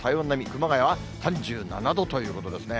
熊谷は３７度ということですね。